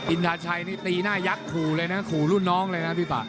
อินทาชัยนี่ตีหน้ายักษ์ขู่เลยนะขู่รุ่นน้องเลยนะพี่ป่า